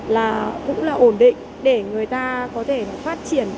là cũng là ổn định để người ta có thể phát triển